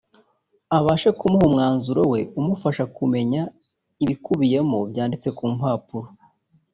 abashe kumuha umwanzuro we umufasha kumenya ibikubiyemo byanditse ku mpapuro